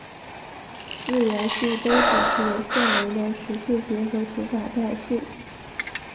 四元数都只是有限维的实数结合除法代数。